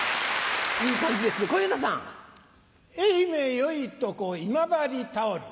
よいとこ今治タオル